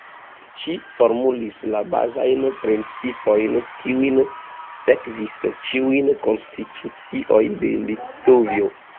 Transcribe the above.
Ĝi formulis la bazajn principojn kiujn sekvis ĉiujn konstitucioj de Litovio.